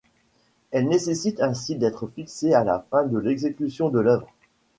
Elle nécessite ainsi d'être fixée à la fin de l'exécution de l'œuvre.